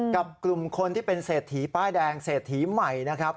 กับกลุ่มคนที่เป็นเศรษฐีป้ายแดงเศรษฐีใหม่นะครับ